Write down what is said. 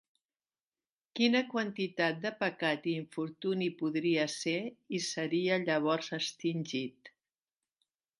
Quina quantitat de pecat i infortuni podria ser i seria llavors extingit.